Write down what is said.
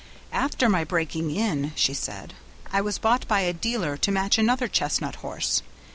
"After my breaking in," she said, "I was bought by a dealer to match another chestnut horse.